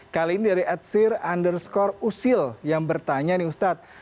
kali ini dari adsir underscore usil yang bertanya nih ustadz